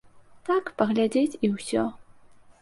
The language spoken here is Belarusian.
Так, паглядзець, і ўсё.